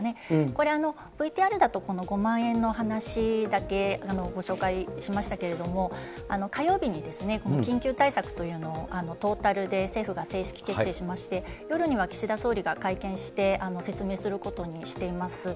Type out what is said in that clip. これ、ＶＴＲだと５万円の話だけご紹介しましたけれども、火曜日にこの緊急対策というのを、トータルで政府が正式決定しまして、夜には岸田総理が会見して、説明することにしています。